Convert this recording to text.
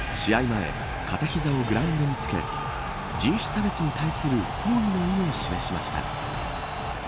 前片膝をグラウンドにつけ人種差別に対する抗議の意を示しました。